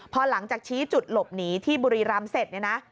พอหลังจากชี้จุดหลบหนีที่บุรีรำเสร็จเนี่ยนะ